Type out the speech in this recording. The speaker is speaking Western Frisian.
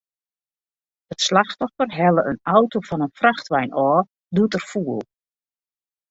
It slachtoffer helle in auto fan in frachtwein ôf, doe't er foel.